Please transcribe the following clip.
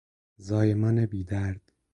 زایمان بی درد